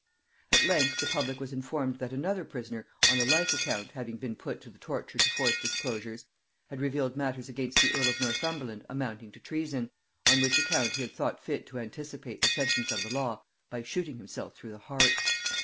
At length the public was informed that another prisoner on a like account having been put to the torture to force disclosures, had revealed matters against the earl of Northumberland amounting to treason, on which account he had thought fit to anticipate the sentence of the law by shooting himself through the heart.